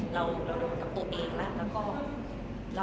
เรากลับตัวเองแล้วแล้วออกเรียนมา